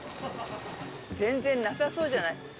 全然なさそうじゃない？